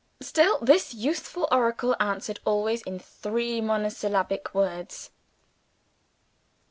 Still this youthful Oracle answered always in three monosyllabic words!